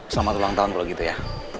selamat ulang tahun kalau gitu ya